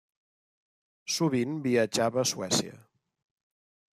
Sovint viatjava a Suècia.